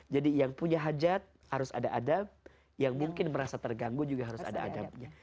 jadi yang punya hajat harus ada adab yang mungkin merasa terganggu juga harus ada adabnya